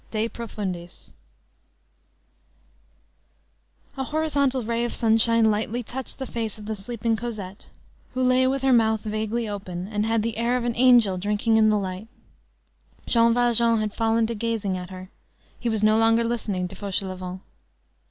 De profundis." A horizontal ray of sunshine lightly touched the face of the sleeping Cosette, who lay with her mouth vaguely open, and had the air of an angel drinking in the light. Jean Valjean had fallen to gazing at her. He was no longer listening to Fauchelevent.